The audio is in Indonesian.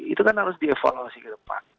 itu kan harus dievaluasi ke depan